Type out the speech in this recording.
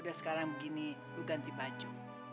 udah sekarang begini gue ganti baju